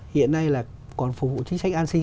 hiện nay là còn phục vụ chính sách an sinh